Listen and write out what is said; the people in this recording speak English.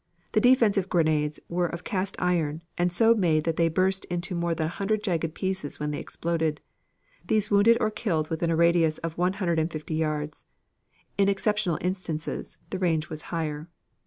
The defensive grenades were of cast iron and so made that they burst into more than a hundred jagged pieces when they exploded. These wounded or killed within a radius of one hundred and fifty yards. In exceptional instances, the range was higher.